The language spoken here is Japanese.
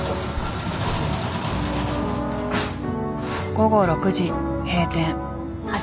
午後６時閉店。